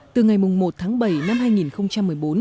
từ ngày một tháng bảy năm hai nghìn một mươi bốn